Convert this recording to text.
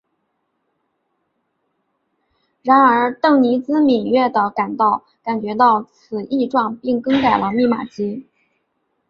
然而邓尼兹敏锐地感觉到此异状并更改了密码机。